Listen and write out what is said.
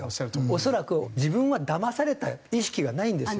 恐らく自分はだまされた意識がないんですよ